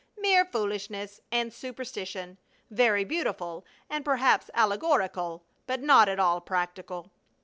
Mere foolishness and superstition! Very beautiful, and perhaps allegorical, but not at all practical!